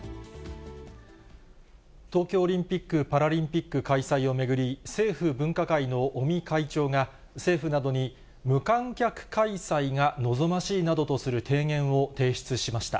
東京オリンピック・パラリンピック開催を巡り、政府分科会の尾身会長が、政府などに無観客開催が望ましいなどとする提言を提出しました。